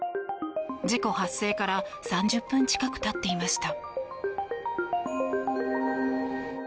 事故発生から３０分近くたっていました。